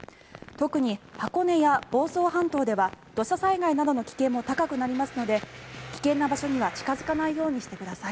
特に箱根や房総半島では土砂災害などの危険も高くなりますので危険な場所には近付かないようにしてください。